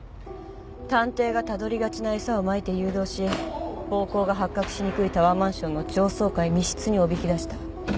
探偵がたどりがちな餌をまいて誘導し暴行が発覚しにくいタワーマンションの上層階密室におびき出した。